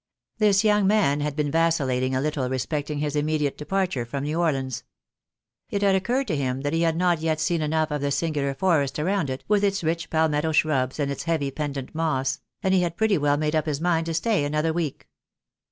This young man had been vacillating a little respecting his immediate departure from New Orleans. It had occurred to him that he had not yet seen enough of the singular forest around it, with its rich Palmetto shrubs, and its heavy pendent moss ; and he had pretty well made up his mind to stay another week.